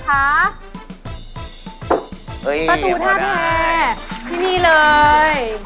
ประตูท่าแพรที่นี่เลย